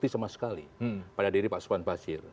tidak ada peranan sama sekali pada diri pak sofian basir